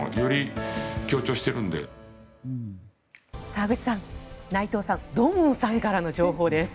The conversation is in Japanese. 沢口さん内藤さん土門さんからの情報です。